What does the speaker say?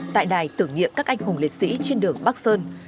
tại đài tử nghiệm các anh hùng liệt sĩ trên đường bắc sơn